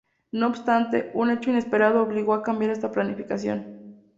No obstante, un hecho inesperado obligó a cambiar esta planificación.